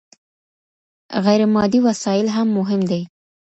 غير مادي وسايل هم مهم دي.